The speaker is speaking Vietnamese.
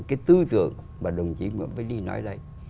cái tư dưỡng mà đồng chí nguyễn vân đi nói đây